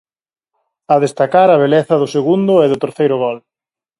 A destacar a beleza do segundo e do terceiro gol.